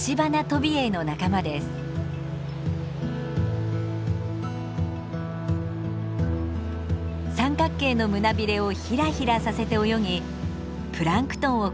三角形の胸びれをヒラヒラさせて泳ぎプランクトンを口に流し込みます。